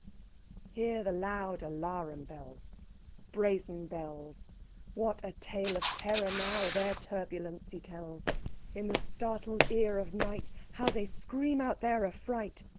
III. Hear the loud alarum bells Brazen bells! What a tale of terror now their turbulency tells! In the startled ear of night How they scream out their affright!